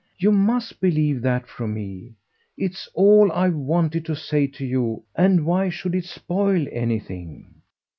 You must believe that from me. It's all I've wanted to say to you, and why should it spoil anything?"